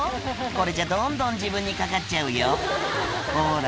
これじゃどんどん自分にかかっちゃうよほら